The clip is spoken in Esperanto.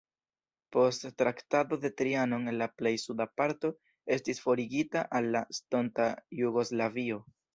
Post Traktato de Trianon la plej suda parto estis forigita al la estonta Jugoslavio.